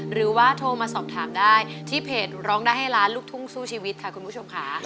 หรือว่าโทรมาสอบถามได้ที่เพจร้องได้ให้ล้านลูกทุ่งสู้ชีวิตค่ะคุณผู้ชมค่ะ